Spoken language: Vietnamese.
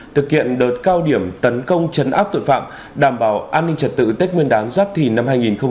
thực hiện đợt cao điểm tấn công chấn áp tội phạm đảm bảo an ninh trật tự tết nguyên đán giáp thìn năm hai nghìn hai mươi bốn